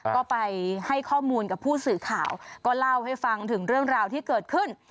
ก็ไปให้ข้อมูลกับผู้สื่อข่าวก็เล่าให้ฟังถึงเรื่องราวที่เกิดขึ้น